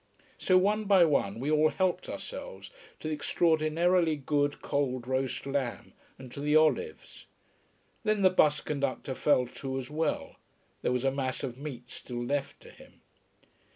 So one by one we all helped ourselves to the extraordinarily good cold roast lamb, and to the olives. Then the bus conductor fell to as well. There was a mass of meat still left to him.